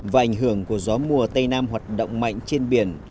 và ảnh hưởng của gió mùa tây nam hoạt động mạnh trên biển